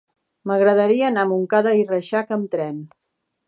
M'agradaria anar a Montcada i Reixac amb tren.